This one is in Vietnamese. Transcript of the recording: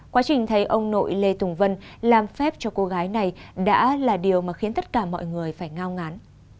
quá trình thấy ông nội lê tùng vân làm phép cho cô gái này đã là điều mà khiến tất cả mọi người phải ngao ngán